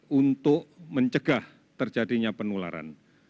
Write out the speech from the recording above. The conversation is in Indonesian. ini upaya untuk mencegah terjadinya penularan